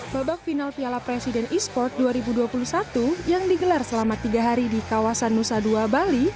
babak final piala presiden esports dua ribu dua puluh satu yang digelar selama tiga hari di kawasan nusa dua bali